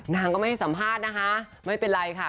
นางก็ไม่ให้สัมภาษณ์นะคะไม่เป็นไรค่ะ